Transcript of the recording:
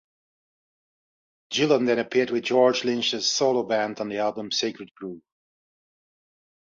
Gillen then appeared with George Lynch's solo band on the album "Sacred Groove".